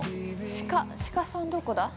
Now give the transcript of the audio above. ◆鹿、鹿さんどこだ？